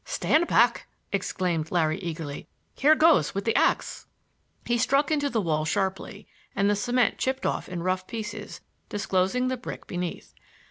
"Stand back!" exclaimed Larry eagerly. "Here goes with the ax." He struck into the wall sharply and the cement chipped off in rough pieces, disclosing the brick beneath.